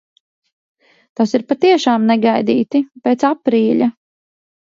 Tas ir patiešām negaidīti – pēc aprīļa.